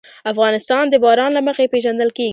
افغانستان د باران له مخې پېژندل کېږي.